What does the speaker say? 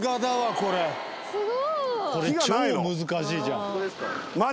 「これ超難しいじゃん」